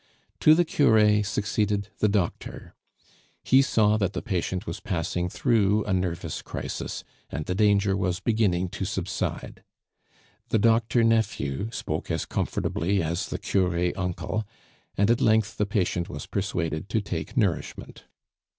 To the cure succeeded the doctor. He saw that the patient was passing through a nervous crisis, and the danger was beginning to subside. The doctor nephew spoke as comfortably as the cure uncle, and at length the patient was persuaded to take nourishment.